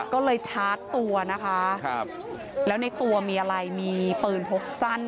ก็เลยชาร์จตัวนะคะครับแล้วในตัวมีอะไรมีปืนพกสั้น